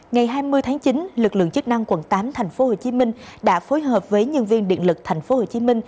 ngày hai mươi tháng chín lực lượng chức năng quận tám tp hcm đã phối hợp với nhân viên điện lực tp hcm